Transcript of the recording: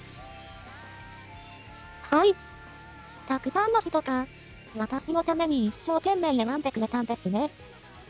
たくさんの人が私のために一生懸命、選んでくれたんですね。